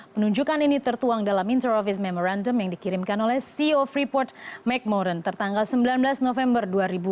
penunjukan ini tertuang dalam inter office memorandum yang dikirimkan oleh ceo freeport mcmoran tertanggal sembilan belas november dua ribu dua puluh